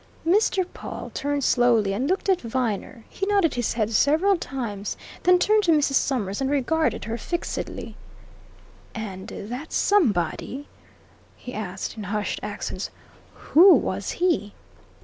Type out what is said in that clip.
Mr. Pawle turned slowly and looked at Viner. He nodded his head several times, then turned to Mrs. Summers and regarded her fixedly. "And that somebody?" he asked in hushed accents. "Who was he?"